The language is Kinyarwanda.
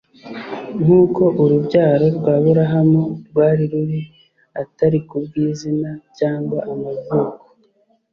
Nk'uko urubyaro rw'Aburahamu rwari ruri atari kubw'izina cyangwa amavuko,